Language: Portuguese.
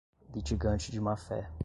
litigante de má-fé